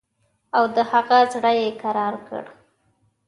او د هغه زړه یې کرار کړ.